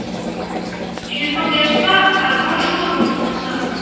Tu ne t’engages pas à grand’chose en disant ça !